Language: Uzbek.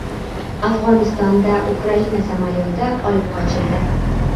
Afg‘onistonda Ukraina samolyoti olib qochildi